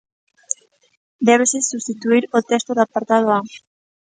Débese substituír o texto do apartado A.